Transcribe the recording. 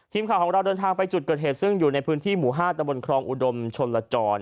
ทีมข่าวของเราเดินทางไปจุดเกิดเหตุซึ่งอยู่ในพื้นที่หมู่๕ตะบนครองอุดมชนลจร